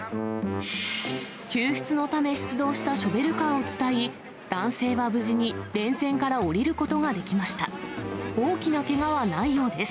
救出のため、出動したショベルカーを伝い、男性は無事に電線から下りることができました。